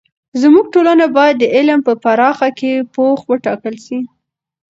زموږ ټولنه باید د علم په برخه کې پوخ وټاکل سي.